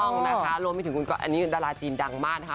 ต้องนะคะรวมไปถึงคุณก็อันนี้ดาราจีนดังมากนะคะ